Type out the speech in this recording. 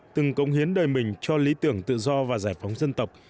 từng công hiến đời mình cho lý tưởng tự do và giải phóng dân tộc